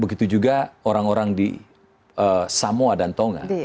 begitu juga orang orang di samoa dan tonga